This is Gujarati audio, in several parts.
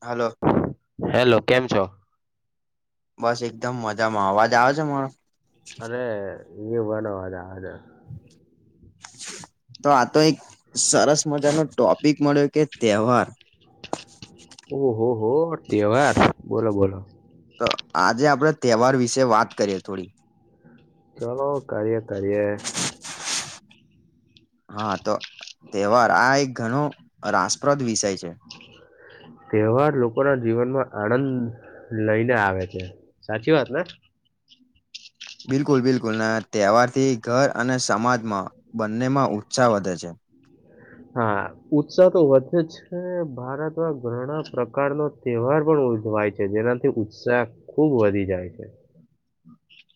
હાલો હેલો કેમ છો? બસ એકદમ મજામાં અવાજ આવે છે મારો અરે એ. [unintelligible] તો આ તો એક સરસ મજાનો ટોપિક મળ્યો કે તહેવાર ઓહ હો હો તહેવાર બોલો બોલો તો આજે આપડ તહેવાર વિશે વાત કરીએ થોડી ચલો કરએ કરએ હા તો તેહવાર આ એક ઘણો રાસપ્રદ વિષય છે. તેહવાર લોકો ના જીવનમાં આનંદ લઈને આવે છે. સાચી વાત ને? બિલકુલ બિલકુલ, ના તેહવારથી ઘર અને સમાજમાં બંનેમાં ઉત્સાહ વધે છે. હા, ઉત્સાહ તો વધે છે ભારતમાં ઘણા પ્રકારનો તેહવાર પણ ઉજવાય છે જેનાથી ઉત્સાહ ખુબ વધી જાય છે.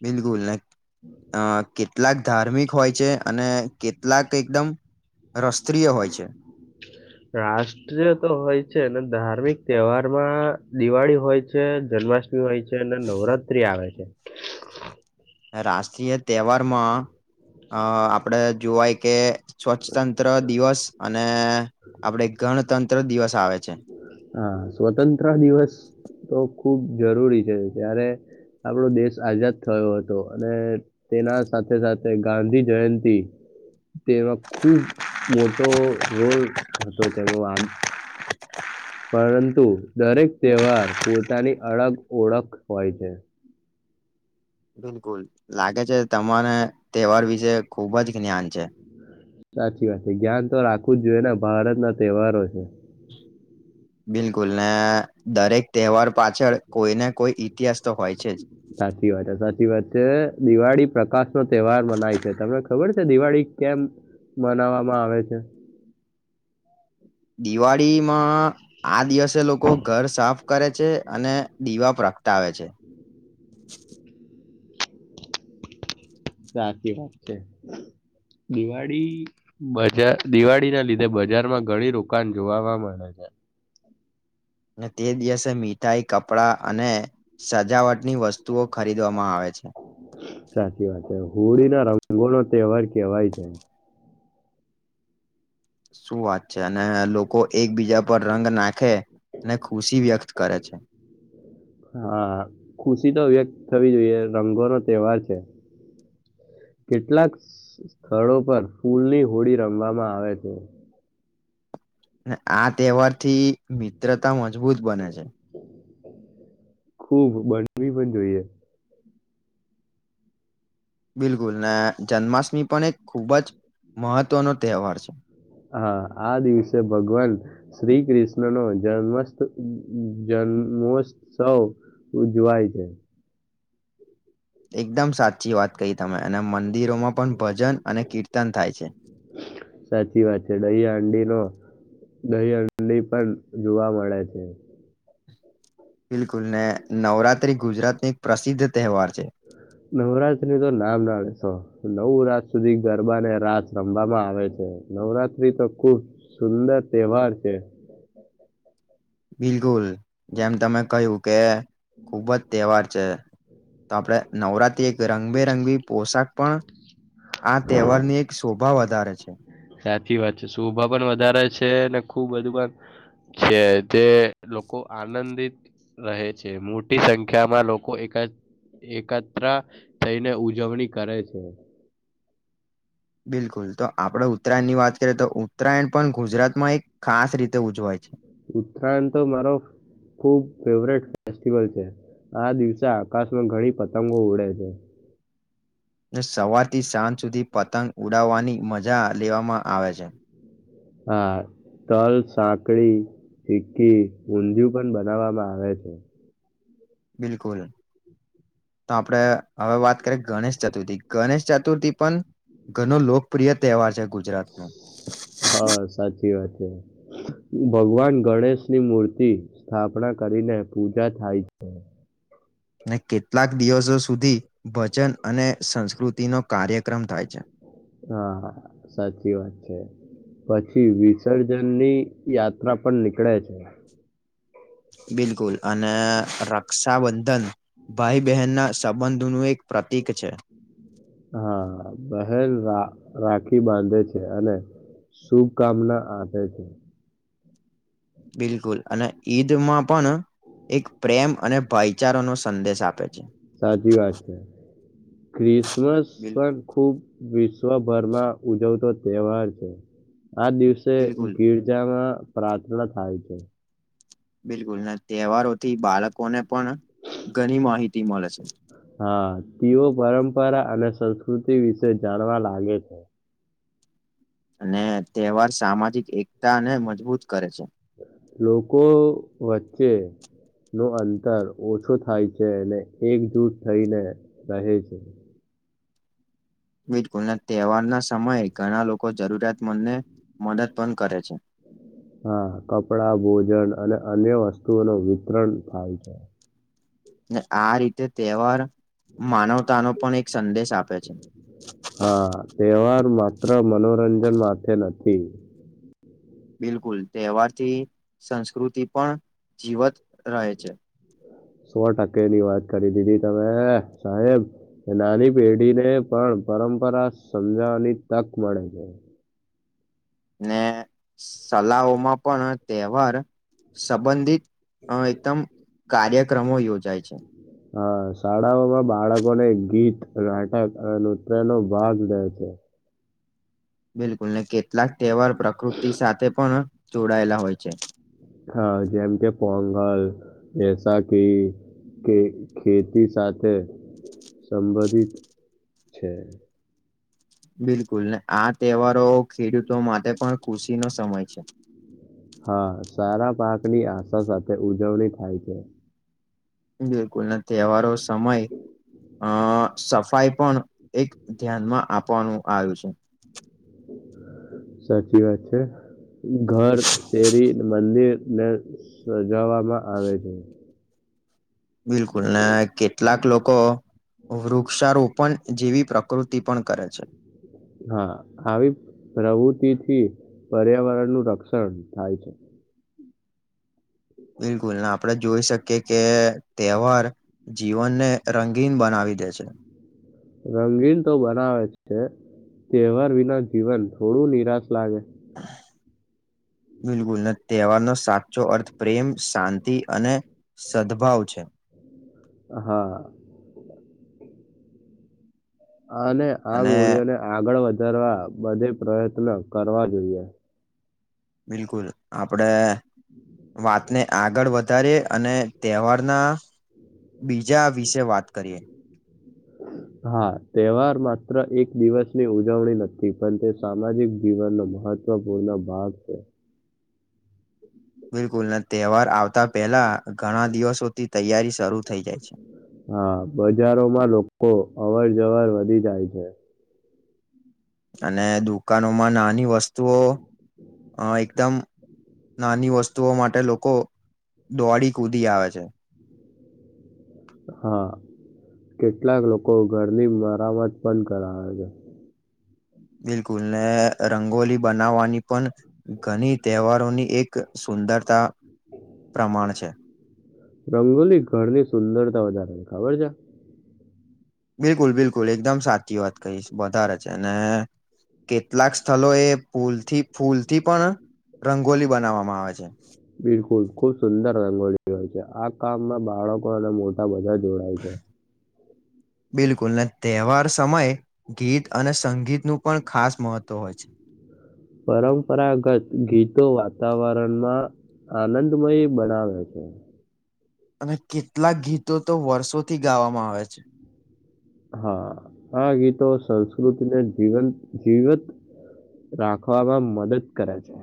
બિલકુલ ને અ કેટલાક ધાર્મિક હોય છે અને કેટલાક એકદમ રસ્ત્રીિય હોય છે. રાષ્ટ્રીય તો હોય છે ને ધાર્મિક તેહવારમાં દિવાળી હોય છે, જન્માષ્ટ ટમી હોય છે અને નવરાત્રી આવે છે. રાષ્ટ્રીય તેહવારમાં અ આપડે જોવાય કે સ્વ તંત્ર દિવસ અને આપડે ગણતંત્ર દિવસ આવે છે. હા, સ્વતંત્ર દિવસ તો ખુબ જરૂરી છે ત્યારે. આપણો દેશ આઝાદ થયો હતો અને તેના સાથે સાથે ગાંધી જયંતી તેમાં ખુબ મોટો રોલ હતો તેમનો આન. પરંતુ, દરેક તેહવાર, પોતાની અળગ ઓળખ હોય છે. બિલકુલ, લાગે છે તમરે તેહવાર વિશે ખુબ જ જ્ઞાન છે? સાચી વાત છે, જ્ઞાન તો રાખવું જ જોયે ને ભારત ના તેહવારો છે. [inaudible] બિલકુલ, ને દરેક તેહવાર પાછળ કોઈને કોઈ ઈતિહાસ તો હોય છે જ. સાચી વાતે સાચી વાત છે, દિવાળી પ્રકાશ નો તેહવાર મનાય છે, તમને ખબર છે દિવાળી કેમ મનાવામાં આવે છે? દિવાળીમાં આ દિવસે લોકો ઘર સાફ કરે છે અને દીવા પ્રગટાવે છે. સાચી વાત છે. દિવાળી બજાર દિવાળી ના લીધે બજારમાં ઘણી રુકાણ જોવામાં મળે છે. હ ને તે દિવસે મીઠાઈ, કપડાં અને સજાવટની વસ્તુઓ ખરીદવામાં આવે છે સાચી વાત છે, હોળી ને રંગો નો તેહવાર કેહવાય છે. શું વાત છે! અને લોકો એકબીજા ઉપર રંગ નાખે ને ખુશી વ્યક્ત કરે છે. હા ખુશી તો વ્યક્ત થવી જોઈએ, રંગો નો તેહવાર છે. કેટલાક સ્થળો પર ફૂલની હોડી રમવામાં આવે છે. ને આ તેહવાર થી, મિત્રતા મજબૂત બને છે. ખુબ, બળવી પણ જોઈએ. બિલકુલ ને જન્માષ્ટમી પણ એક ખૂબ જ મહત્વનો તેહવાર છે. હા આ દિવસે ભગવાન શ્રી કૃષ્ણ નો જન્મથ જન્ મોત્સવ ઉજવાય છે. એકદમ સાચી વાત કહી તમે અને મં દિરોમાં પણ ભજન અને કીર્તન થાય છે. દહી હંડી પણ જોવા મળે છે. બિલકુલ, ને નવરાત્રી ગુજરાતની એક પ્રસિદ્ધ તેહવાર છે. નવરાતનું તો નામ ના લેશો, નવ રાત સુધી ગરબા ને રાસ રમવામાં આવે છે. નવરાત્રી તો ખુબ સુંદર તેહવાર છે. બિલકુલ, જેમ તમે કયું કે ખુબ જ તેહવાર છે, તો આપડે નવરાત્રી એક રંગબેરંગી પોશાક પણ આ તેહવારની એક શોભા વધારે છે. સાચી વાત છે, શોભા પણ વધારે છે ને ખુબ બધું પણ છે જે લોકો આનંદિત રહે છે. મોટી સંખ્યા માં લોકો એક જ એકત્ર થઈને ઉજવણી કરે છે. બિલકુલ, તો આપડે ઉત્તરાયણ ની વાત કરીએ તો ઉત્તરાયણ પણ ગુજરાતમાં એક ખાસ રીતે ઉજવાય છે. ઉત્તરાયણ તો મારો ખૂબ ફેવરેટ ફેસ્ટિવલ છે આ દિવસે આકાશમાં ઘણી પતંગો ઉડે છે. અને સવારથી સાંજ સુધી પતંગ ઉડાવવાની મજા લેવામાં આવે છે. હા તલ સાંકડી સિક્કી ઊંધિયું પણ બનાવવામાં આવે છે. બિલકુલ તો આપડણે હવે વાત કરીએ ગણેશ ચતુર્થી ગણેશ ચતુર્થી પણ ઘનો લોકપ્રિય તહેવાર છે. ગુજરાતનો હા સાચી વાત છે. ભગવાન ગણેશની મૂર્તિ સ્થાપના કરીને પૂજા થાય છે. અનેને કેટલાક દિવસો સુધી ભજન અને સંસ્કૃતિનો કાર્યક્રમ થાય છે. હા સાચી વાત છે. પછી વિસર્જન ની યાત્રા પણ નીકળે છે. બિલકુલ અને રક્ષાબંધન ભાઈ બહેન ના સંબંધનું એક પ્રાતિક છે. હા બહેન રા રાખી બાંધે છે અને શુભકામના આપે છે. બિલકુલ અને ઈદમાં પણ એક પ્રેમ અને ભાઈચારો નો સંદેશ આપે છે. સાચી વાત છે ક્રિસમસ બિલ પણ ખુબ વિશ્વભરમાં ઉજવતો તહેવાર છે. આ દિવસે બિલકુલ ગિરજામાં પ્રાર્થના થાય છે. બિલકુલ ના તહેવારોથી બાળકોને પણ ઘણી માહિતી મળે છે. હા તેઓ પરંપરા અને સંસ્કૃતિ વિશે જાણવા લાગે છે. અને તહેવાર સામાજિક એકતા ને મજબૂત કરે છે. લોકો વચ્ચે નો અંતર ઓછો થાય છે અને એકજૂટ થઈને રહે છે. બલકુલના તહેવારના સમયે ઘણા લોકો જરૂરિયાતમંદને મદદ પણ કરે છે. હા કપડા ભોજન અને અન્ય વસ્તુઓ ન વિતરણ થાય છે. આ રીતે તહેવાર માનવતાનોો પણ એક સંદેશ આપે છે. હા તહેવાર માત્ર મનોરંજન માટેથે નથી. બિલકુલ તહેવારથી સંસ્કૃતિ પણ જીવત રહે છે. સો ટકે ની વાત કરી દીધી તમે સાહેબ નાની પેઢી ને પણ પરંપરા સમજાવવાની તક મળે છે. ને સલાઓમાં પણ તહેવાર સંબંધિત અ એકદમ કાર્યક્રમો યોજાય છે. હ શાળાઓમાં બાળકોને ગીત નાટક અને નૃત્ય નો ભાગ લે છે. હ [inaudible] બિલકુલ ને કેટલાક તહેવાર પ્રકૃતિ સાથે પણ જોડાયેલા હોય છે. હા જેમ કે પોંગલ બેસાખી કે ખેતી સાથે સંબંધિત છે. બિલકુલને આ તહેવારો ખેડૂતો માટે પણ ખુશીનો સમય છે. હા સારા પાકની આશા સાથે ઉજવણી થાય છે. બિલકુલ નથી તહેવારો સમય અ સફાઈ પણ એક ધ્યાનમાં આપવાનું આવ્યું છે. સાચી વાત છે ઘર શેરી મંદિર ને સગાવામાં આવે છે. બિલકુલ ને કેટલાક લોકો વૃક્ષારોપણ જેવી પ્રકૃતિ પણ કરે છે હા આવી પ્રવુતિથી પર્યાવરણ નું રક્ષણ થાય છે બિલકુલ આપડે જોઈ શકીએ કે તહેવાર જીવનને રંગીન બનાવી દે છે [inaudible] રંગીન તો બનાવે છે તહેવાર વિના જીવન થોડું નિરાશ લાગે [inaudible] બિલકુલ તહેવારનો સાચો અર્થ પ્રેમ શાંતિ અને સદભાવ છે હા અને આ અને મૂડીઓને આગળ વધારવા બને પ્રયત્ન કરવા જોઈએ બિલકુલ આપડે વાતને આગળ વધારે અને તહેવારના બીજા આ વિશે વાત કરીએ. [inaudible] હા તહેવાર માત્ર એક દિવસની ઉજવણી નથી પણ તે સામાજિક જીવનનો મહતપૂર્ણ ભાગ છે. બિલકુલ ને તહેવાર આવતા પહેલા ઘણા દિવસોથી તૈયારી શરૂ થઈ જાય છે. હા બજારોમાં લોકો અવર જવર વધી જાય છે. અને દુકાનોમાં નાની વસ્તુઓ અ એકદમ નાની વસ્તુઓ માટે લોકો દોડી કૂદી આવે છે. હા કેટલાક લોકો ઘરની મરામત પણ કરાવે બિલકુલ ને રંગોલી બનાવવાની પણ ઘણી તહેવારોની એક સુંદરતા પ્રમાણ છે. રંગોલી ઘરની સુંદરતા વધારે ખબર છે. બિલકુલ બિલકુલ એકદમ સાચી વાત કહીશ વધારે છે ને કેટલાક સ્થલો એ ફૂલથી ફૂલથી પણ રંગોલી બનાવવામાં આવે છે. ખુબ સુંદર રંગોળી હોય છે આ કામમાં બાળકો અને મોટા બધા જોડાય છે. [inaudible] બિલકુલ ને તહેવાર સમયે ગીત અને સંગીતનું પણ ખાસ મહત્ત્વ હોય છે. પરંપરાગત ગીતો વાતા વાતાવરણમાં આનંદમય બનાવે છે. અને કેટલાક ગીતો તો વર્ષોથી ગાવામાં આવે છે. હા આ ગીતો સંસ્કૃતિને જીવંત જીવત રાખવામાં મદદ કરે છે.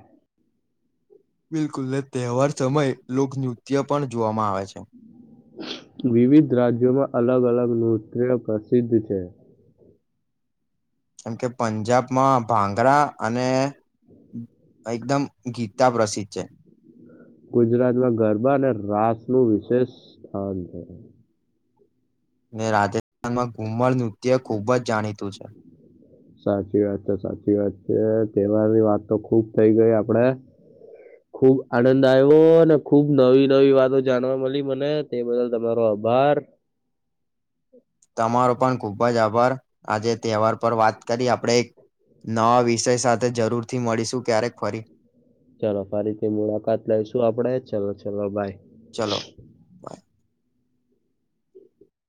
બિલકુલ તહેવાર સમયે લોકનૃત્ય પણ જોવામાં આવે છે. વિવિધ રાજ્યોમાં અલગ અલગ નૃત્ય પ્રસિદ્ધ છે. કેમ કે પંજાબમાં ભાંગરા અને એકદમ ગીતા પ્રસિદ્ધ છે. ગુજરાતમાં ગરબા અને રાસ નું વિશેષ સ્થાન છે. મેં રાજસ્થાનમાં ઘુમળ નૃત્ય ખૂબ જ જાણીતું છે. સાચી વાત છે સાચી વાત છે તહેવાર ની વાત તો ખુબ થઈ ગઈ આપડે. ખુબ આનંદ આયવો અને ખુબ નવી નવી વાતો જાણવા મળી મને તે બદલ તમારો આ ભાર. તમારો પણ ખુબ જ આભાર આજે તહેવાર પર વાત કરી આપણે એક નવા વિષય સાથે જરૂરથી મળીશું ક્યારેક ફરી. ચાલો ફરીથી મુલાકાત લઈશું આપડે ચાલો ચાલો બાય. ચલો બાય.